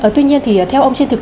tuy nhiên thì theo ông trên thực tế